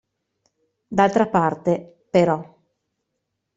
D'altra parte, però.